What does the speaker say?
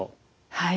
はい。